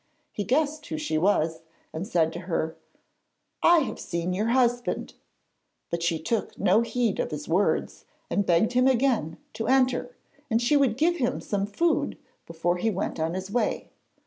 He guessed who she was, and said to her: 'I have seen your husband;' but she took no heed of his words, and begged him again to enter and she would give him some food before he went on his way.